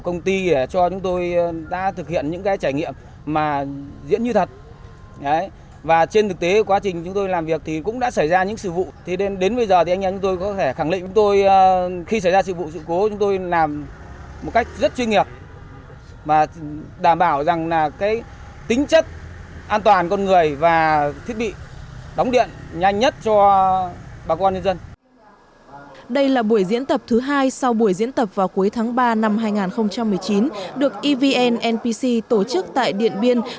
đây là buổi diễn tập thứ hai sau buổi diễn tập vào cuối tháng ba năm hai nghìn một mươi chín được evn npc tổ chức tại điện biên thuộc khu vực điện biên